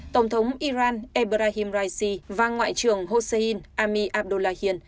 tổng thống iran ebrahim raisi và ngoại trưởng josein ami abdullahian